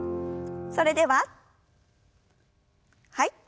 それでははい。